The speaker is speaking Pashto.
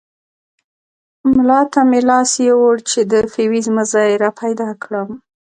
ملا ته مې لاس يووړ چې د فيوز مزي راپيدا کړم.